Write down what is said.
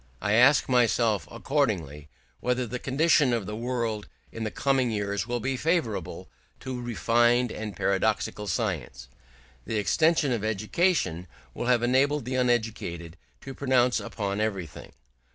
I ask myself accordingly whether the condition of the world in the coming years will be favourable to refined and paradoxical science. The extension of education will have enabled the uneducated to pronounce upon everything.